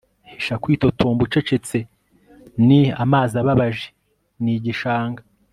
Hisha kwitotomba ucecetse ni amazi ababaje nigishanga